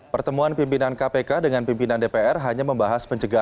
pertemuan pimpinan kpk dengan pimpinan dpr hanya membahas pencegahan